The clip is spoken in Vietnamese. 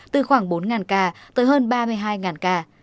từ khoảng bốn ca tới hơn ba mươi hai ca